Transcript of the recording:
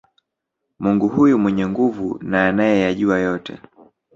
Mungu huyu mwenye nguvu na anayeyajua yote